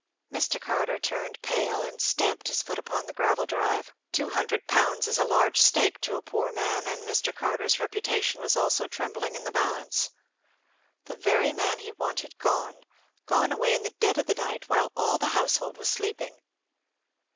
Mr. Carter turned pale, and stamped his foot upon the gravel drive. Two hundred pounds is a large stake to a poor man; and Mr. Carter's reputation was also trembling in the balance. The very man he wanted gone—gone away in the dead of the night, while all the household was sleeping!